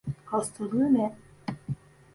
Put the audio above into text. Hastalığı ne?